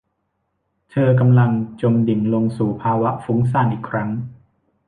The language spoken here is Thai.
เธอกำลังจมดิ่งลงสู่ภาวะฟุ้งซ่านอีกครั้ง